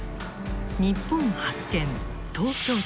「日本発見東京都」。